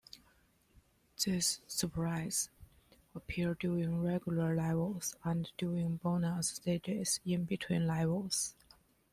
These sprites appear during regular levels and during bonus stages in between levels.